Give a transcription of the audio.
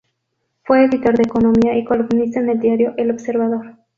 Fue Editor de Economía y columnista en el diario El Observador.